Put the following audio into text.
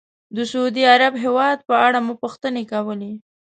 د سعودي عرب هېواد په اړه مو پوښتنې کولې.